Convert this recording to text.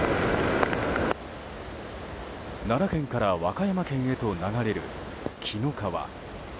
奈良県から和歌山県へと流れる紀の川。